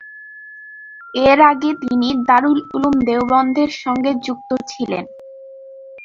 এর আগে তিনি দারুল উলুম দেওবন্দের সঙ্গে যুক্ত ছিলেন।